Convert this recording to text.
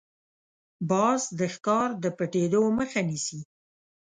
باز د ښکار د پټېدو مخه نیسي